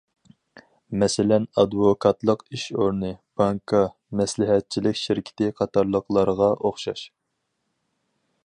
مەسىلەن ئادۋوكاتلىق ئىش ئورنى، بانكا، مەسلىھەتچىلىك شىركىتى قاتارلىقلارغا ئوخشاش.